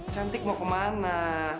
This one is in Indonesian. cantik mau kemana